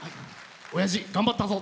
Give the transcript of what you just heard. おやじ、頑張ったぞ。